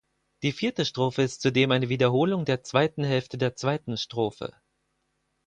Die vierte Strophe ist zudem eine Wiederholung der zweiten Hälfte der zweiten Strophe.